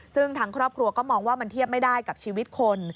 ซึ่งทางครอบครัวก็มองว่ามันเทียบไม่ได้กับชีวิตคน